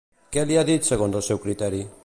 Què li ha dit segons el seu criteri?